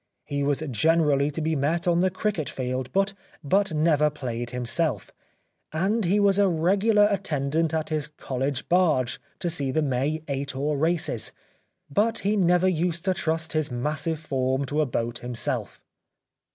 He was generally to be met on the cricket field, but never played himself ; and he was a regular attendant at his college barge to see the May eight oar races, but he never used to trust his massive form to a boat himself."